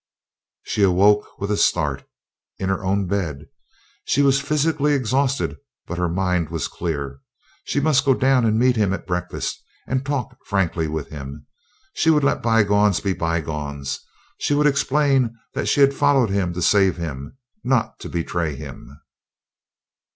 She awoke with a start, in her own bed. She was physically exhausted but her mind was clear. She must go down and meet him at breakfast and talk frankly with him. She would let bygones be bygones. She would explain that she had followed him to save him, not to betray him.